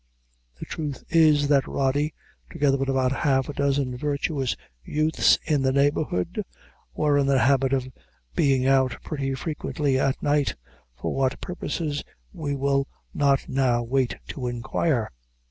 The truth is, that Rody, together with about half a dozen virtuous youths in the neighborhood, were in the habit of being out pretty frequently at night for what purposes we will not now wait to inquire.